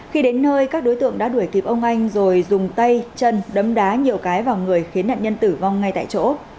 khi đến nơi các đối tượng đã đuổi kịp ông anh rồi dùng tay chân đấm đá nhiều cái vào người khiến nạn nhân tử vong ngay tại chỗ